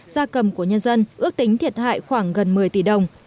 gia cầm của nhân dân ước tính thiệt hại khoảng gần một mươi tỷ đồng